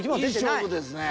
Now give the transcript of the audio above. いい勝負ですね。